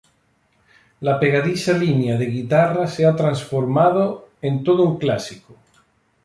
La pegadiza línea de guitarra se ha transformado en todo un clásico.